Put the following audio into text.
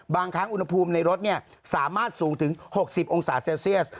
บางครั้งอุณหภูมิในรถสามารถสูงถึง๖๐องศาเซลเซียส